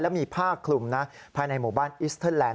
แล้วมีผ้าคลุมภายในหมู่บ้านอิสเตอร์แลนด์๑